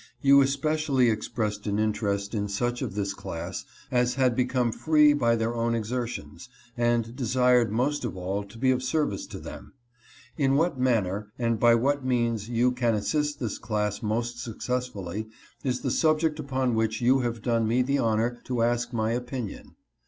You especially expressed an interest in such of this class as had become free by their own exertions, and desired most of all to be of service to them. In what manner and by what means you can assist this class most successfully, is the subject upon which you have done me the honor to ask my opinion.